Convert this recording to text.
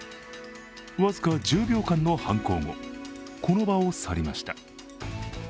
僅か１０秒間の犯行後この場を去りました。